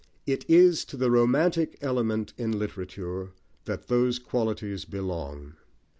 It is to the romantic element in literature that those qualities belong.